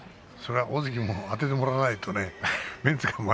それは大関もあててもらわないとね